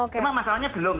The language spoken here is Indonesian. cuma masalahnya belum